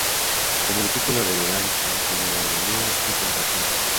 Como discípulo de Durante, estudió armonía y contrapunto.